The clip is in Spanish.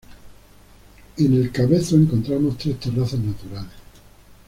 En el cabezo encontramos tres terrazas naturales.